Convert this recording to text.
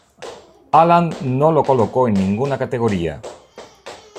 Aland no lo colocó en ninguna categoría.